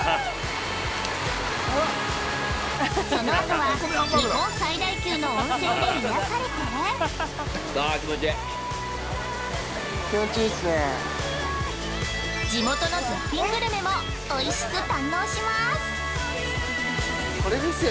そのあとは日本最大級の温泉で癒やされて地元の絶品グルメもおいしく堪能します。